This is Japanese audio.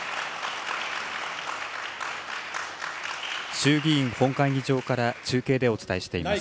衆議院本会議場から中継でお伝えしています。